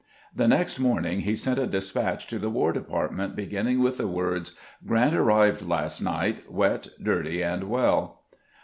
The next morning he sent a despatch to the War Department, beginning with the words, " Grant arrived last night, wet, dirty, and well."